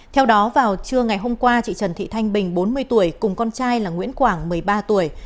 theo đó vào trưa ngày hôm qua chị trần thị thanh bình bốn mươi tuổi cùng con trai là nguyễn quảng một mươi ba tuổi